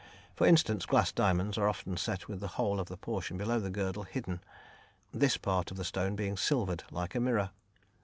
For instance, glass diamonds are often set with the whole of the portion below the girdle hidden, this part of the stone being silvered like a mirror.